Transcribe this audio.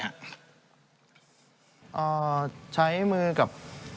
เอ่อใช้มือกับ